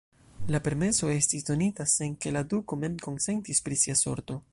La permeso estis donita, sen ke la duko mem konsentis pri sia sorto.